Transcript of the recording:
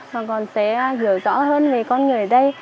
mà còn sẽ hiểu rõ hơn về con người ở đây